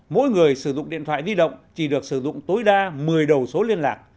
mỗi người sử dụng điện thoại di động chỉ được sử dụng tối đa một mươi đầu số liên lạc